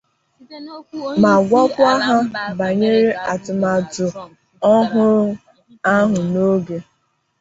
ma gwakwa ha bànyere atụmatụ ọhụụ ahụ n'oge